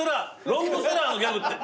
ロングセラーのギャグって。